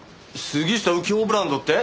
杉下右京ブランドって？